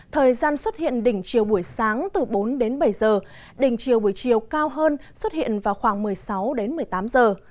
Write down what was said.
thời gian xuất hiện đỉnh chiều buổi sáng từ bốn đến bảy giờ đỉnh chiều buổi chiều cao hơn xuất hiện vào khoảng một mươi sáu đến một mươi tám giờ